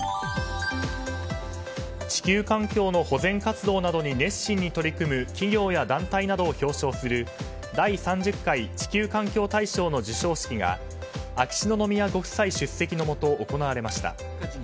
地球環境の保全活動などに熱心に取り組む企業や団体などを表彰する第３０回地球環境大賞の授賞式が秋篠宮ご夫妻出席のもと行われました。